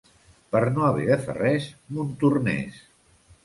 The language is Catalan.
Per no haver de fer res, Montornès.